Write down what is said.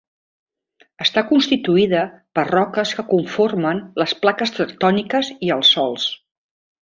Està constituïda per roques que conformen les plaques tectòniques i els sòls.